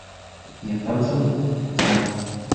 Johansson et al.